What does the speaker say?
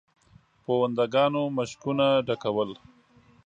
پونده ګانو مشکونه ډکول.